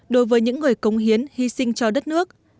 đối với những người cống hiến hy sinh cho đất nước